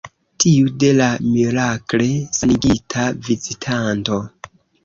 Tiu de la mirakle sanigita vizitanto.